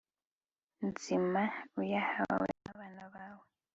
nzima, uyahawe n'abana bawe